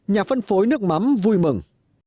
nhà phân phối nước mắm vui mừng